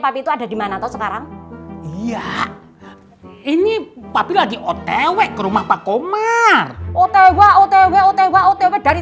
tapi itu ada di mana tuh sekarang iya ini tapi lagi otw ke rumah pak komar otw otw otw otw dari